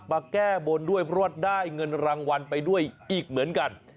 มาแก้บนด้วยเพราะว่าได้เงินรางวัลไปด้วยอีกเหมือนกัน